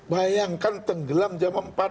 bayangkan tenggelam jam empat